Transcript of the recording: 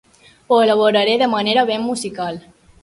Ho elaboraré de manera ben musical.